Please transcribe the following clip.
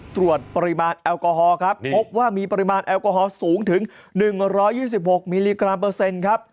ตรวจปริมาณแอลกอฮอล์ครับพบว่ามีปริมาณแอลกอฮอลสูงถึง๑๒๖มิลลิกรัมเปอร์เซ็นต์ครับ